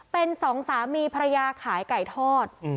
เป็นสองสามีภรรยาขายไก่ทอด